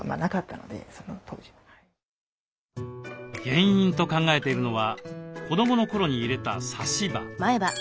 原因と考えているのは子どもの頃に入れた差し歯。